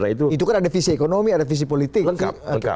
itu kan ada visi ekonomi ada visi politik